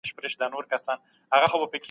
د قران په لارښوونو عمل وکړئ.